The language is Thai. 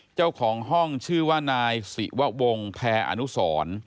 เจ้าของห้องชื่อว่านายศิวะวงแพรอนุสร